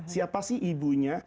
siapa sih ibunya